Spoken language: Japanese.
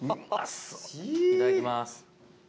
そういただきます